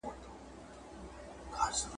ډنبار ډېر لږ عمر وکړ ,